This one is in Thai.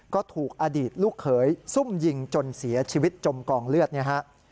ก็ถูกอดีตลูกเขยซุ่มยิงจนเสียชีวิตจมกองเลือดเนี่ยฮะ